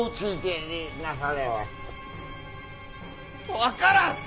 分からん！